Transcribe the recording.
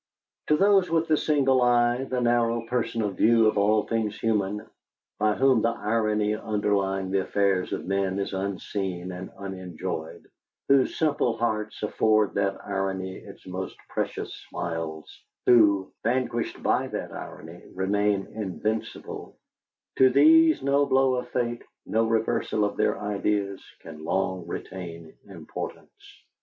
To those with the single eye, the narrow personal view of all things human, by whom the irony underlying the affairs of men is unseen and unenjoyed, whose simple hearts afford that irony its most precious smiles, who; vanquished by that irony, remain invincible to these no blow of Fate, no reversal of their ideas, can long retain importance.